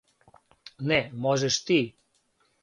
Не, можеш ти.